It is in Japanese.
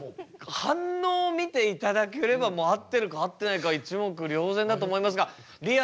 反応を見ていただければもう合ってるか合ってないか一目瞭然だと思いますがりあ